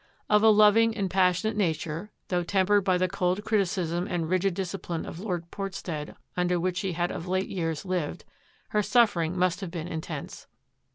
Of a loving and passionate nature, though tempered by the cold criticism and the rigid discipline of Lord Portstead under which she had of late years lived, her suffering must have been intense.